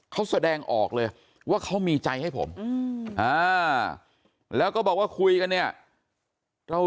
เขาแสดงออกเลยว่าเขามีใจให้ผมแล้วก็บอกว่าคุยกันเนี่ย